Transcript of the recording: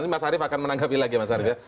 nanti mas arief akan menanggapi lagi ya mas arief